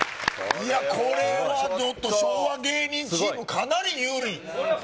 いや、これは昭和芸人チーム、かなり有利。